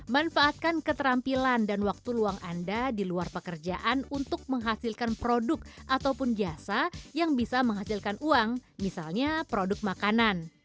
manfaatkan keterampilan dan waktu luang anda di luar pekerjaan untuk menghasilkan produk ataupun jasa yang bisa menghasilkan uang misalnya produk makanan